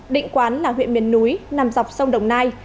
định quán là huyện miền núi nằm dọc sông đồng nai